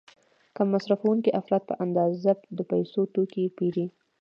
کم مصرفوونکي افراد په اندازه د پیسو توکي پیري.